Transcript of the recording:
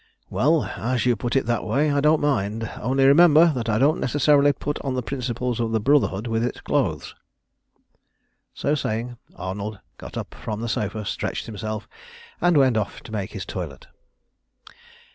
"Well, as you put it that way, I don't mind, only remember that I don't necessarily put on the principles of the Brotherhood with its clothes." So saying, Arnold got up from the sofa, stretched himself, and went off to make his toilet.